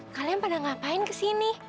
kalian pada ngapain kesini